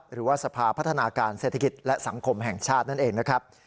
หรือว่าสภาพัฒนาการเศรษฐกิจและสังคมแห่งชาตินั่นเองนะครับ